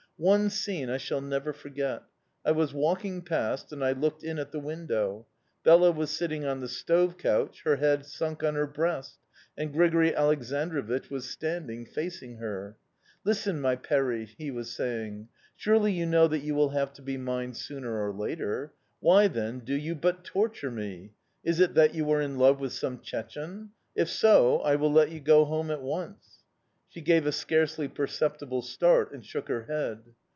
One scene I shall never forget: I was walking past, and I looked in at the window; Bela was sitting on the stove couch, her head sunk on her breast, and Grigori Aleksandrovich was standing, facing her. "'Listen, my Peri,' he was saying. 'Surely you know that you will have to be mine sooner or later why, then, do you but torture me? Is it that you are in love with some Chechene? If so, I will let you go home at once.' "She gave a scarcely perceptible start and shook her head.